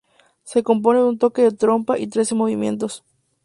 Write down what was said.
Se compone de un toque de trompa y trece movimientos.